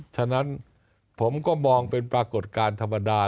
ฉะนั้นผมก็มองเป็นปรากฏการณ์ธรรมดา